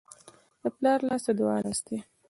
د پلار لاس د دعا لاس دی.